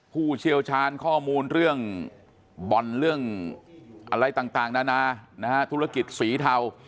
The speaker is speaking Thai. ผู้เชี่ยวชาญข้อมูลเรื่องบ่อนเรื่องอะไรต่างนานานะฮะธุรกิจสีเทา